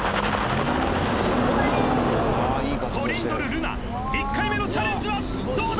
トリンドル瑠奈１回目のチャレンジはどうだ？